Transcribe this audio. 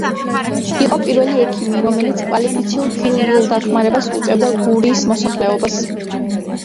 იყო პირველი ექიმი, რომელიც კვალიფიციურ ქირურგიულ დახმარებას უწევდა გურიის მოსახლეობას.